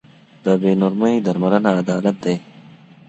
د بې نورمۍ درملنه عدالت دی.